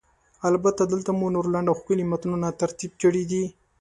البته، دلته مې نور لنډ او ښکلي متنونه ترتیب کړي دي: